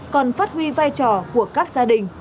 còn phát huy vai trò của các gia đình